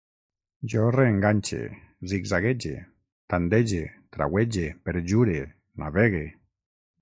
Jo reenganxe, zigzaguege, tandege, trauege, perjure, navegue